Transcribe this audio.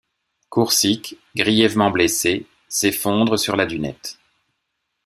Coursic, grièvement blessé, s’effondre sur la dunette.